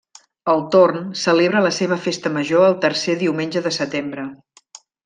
El Torn celebra la seva festa major el tercer diumenge de setembre.